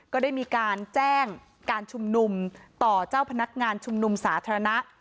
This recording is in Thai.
ก็ได้มีการแจ้งการชุมนุมต่อเจ้าพนักงานชุมนุมสาธารณะ